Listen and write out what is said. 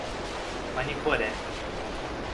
Manicoré